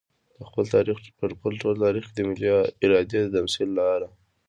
په خپل ټول تاريخ کې د ملي ارادې د تمثيل لپاره.